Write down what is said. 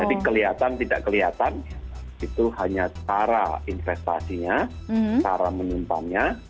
jadi kelihatan tidak kelihatan itu hanya cara investasinya cara menyimpannya